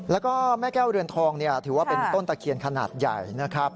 แล้วก็แม่แก้วเรือนทองถือว่าเป็นต้นตะเคียนขนาดใหญ่นะครับ